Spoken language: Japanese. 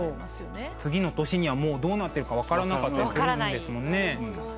次の年にはもうどうなってるか分からなかったりするんですもんね。